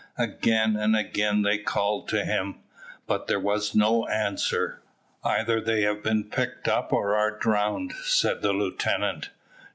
Again and again they called to him, but there was no answer. "Either they have been picked up or are drowned," said the lieutenant.